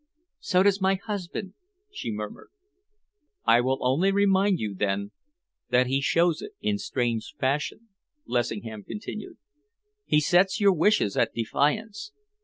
"So does my husband," she murmured. "I will only remind you, then, that he shows it in strange fashion," Lessingham continued. "He sets your wishes at defiance.